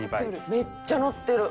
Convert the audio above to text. めっちゃのってる。